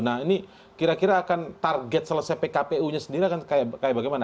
nah ini kira kira akan target selesai pkpu nya sendiri akan kayak bagaimana